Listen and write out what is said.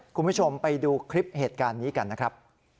คุณผู้ชมไปดูคลิปเหตุการณ์นี้กันนะครับ